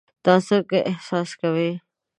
دا څنګه احساس کوي؟